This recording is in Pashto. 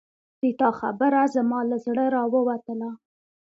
د تا خبره زما له زړه راووتله